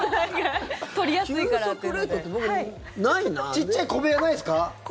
ちっちゃい小部屋ないですか？